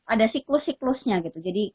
ada siklus siklusnya gitu jadi